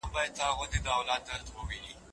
که څوک چټک خواړه ډېر وخوري.